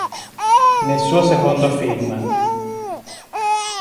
Nel suo secondo film.